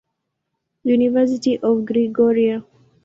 University of Georgia.